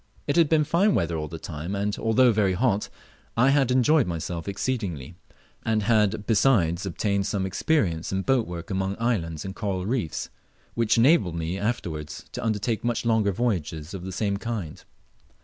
It had been tine weather all the time, and, although very hot, I had enjoyed myself exceedingly, and had besides obtained some experience in boat work among islands and coral reefs, which enabled me afterwards to undertake much longer voyages of the same kind.